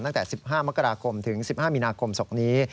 ตั้งแต่๑๕มกราคมถึง๑๕มีนาคมศพนี้